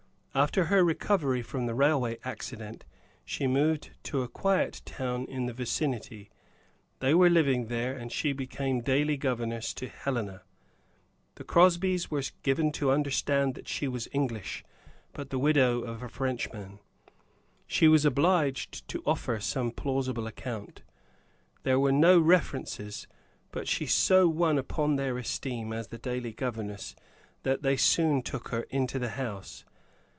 After her recovery from the railway accident, she removed to a quiet town in the vicinity; they were living there, and she became daily governess to Helena. The Crosbys were given to understand that she was English, but the widow of a Frenchman she was obliged to offer some plausible account. There were no references; but she so won upon their esteem as the daily governess, that they soon took her into the house.